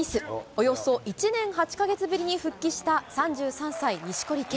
およそ１年８か月ぶりに復帰した３３歳、錦織圭。